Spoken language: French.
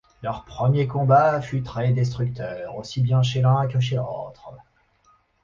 Leur premier combat fut très destructeur, aussi bien chez l'un que chez l'autre.